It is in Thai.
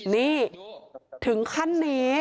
นี่ถึงขั้นนี้